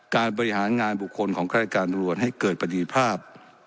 การบริหารงานบุคคลของแครกรรมรวชให้เกิดประดิษภาพ